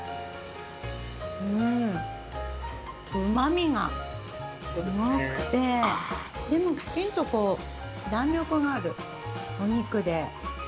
うん旨みがすごくてでもきちんと弾力があるお肉で。